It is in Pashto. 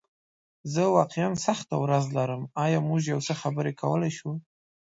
زه واقعیا سخته ورځ لرم، ایا موږ یو څه خبرې کولی شو؟